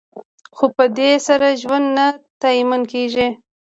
خو په دې سره ژوند نه تأمین کیده.